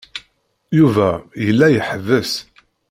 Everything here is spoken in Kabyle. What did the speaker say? Yuba yella iḥebbes.